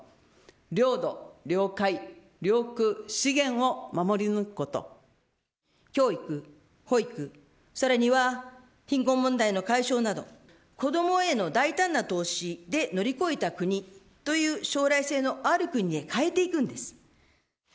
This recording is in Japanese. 領土、領海、領空、教育、保育、さらには、貧困問題の解消など、子どもへの大胆な投資で乗り越えた国という将来性のある国へ変えていくんです。